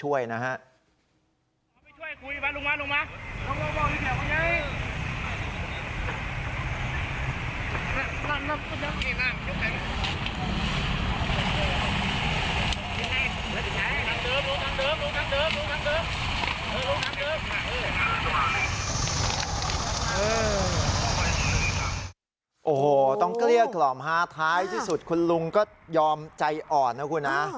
โอ้โหเกลี้ยกล่อมฮะท้ายที่สุดคุณลุงก็ยอมใจอ่อนนะคุณฮะ